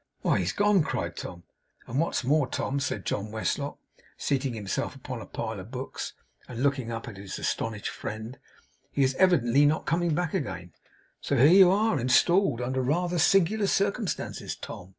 'Why, he's gone!' cried Tom. 'And what's more, Tom,' said John Westlock, seating himself upon a pile of books, and looking up at his astonished friend, 'he is evidently not coming back again; so here you are, installed. Under rather singular circumstances, Tom!